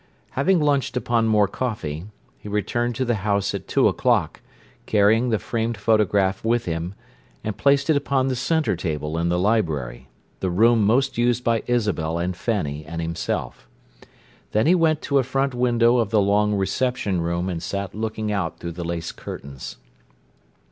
Having lunched upon more coffee, he returned to the house at two o'clock, carrying the framed photograph with him, and placed it upon the centre table in the library, the room most used by Isabel and Fanny and himself. Then he went to a front window of the long "reception room," and sat looking out through the lace curtains.